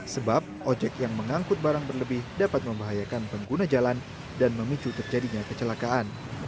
sebab ojek yang mengangkut barang berlebih dapat membahayakan pengguna jalan dan memicu terjadinya kecelakaan